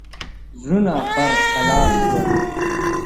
زړونه پر کراره شول.